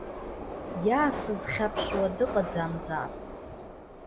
Иаасызхьаԥшуа дыҟаӡамзаап!